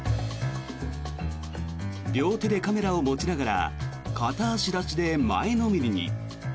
両手でカメラを持ちながら片足立ちで前のめりに。